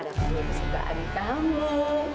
dapatnya kesukaan kamu